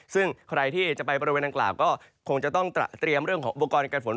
ซึ่งใครที่จะไปบริเวณดังกล่าวก็คงจะต้องเตรียมเรื่องของอุปกรณ์การฝน